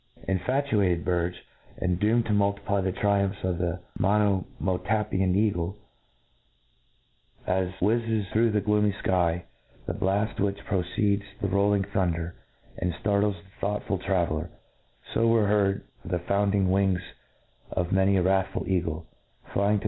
*« Infatuated birdfe, and doomed to muhiply the triumphs of the Monomotapian eagle ! As whiiz zes through the gloomy &y the blaft which precccds the foiling thunder^ and ftardes the .thoughtful traveller— 4b were heard the found ing wings of many a wrathful eagle, flying to